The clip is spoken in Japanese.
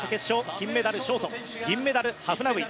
金メダル、ショート銀メダル、ハフナウイ